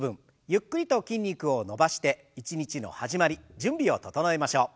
ゆっくりと筋肉を伸ばして一日の始まり準備を整えましょう。